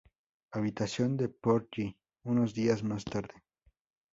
Habitación de Porgy unos días más tarde.